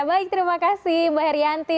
baik terima kasih mbak herianti